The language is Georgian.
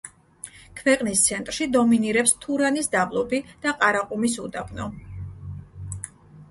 ქვეყნის ცენტრში დომინირებს თურანის დაბლობი და ყარაყუმის უდაბნო.